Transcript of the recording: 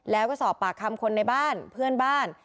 แล้วก็สอบปากคำคนในบ้านเพื่อนบ้าน